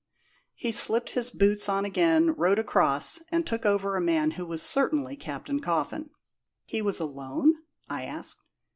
He slipped on his boots again, rowed across, and took over a man who was certainly Captain Coffin." "He was alone?" I asked.